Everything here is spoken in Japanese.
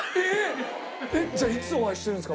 じゃあいつお会いしてるんですか？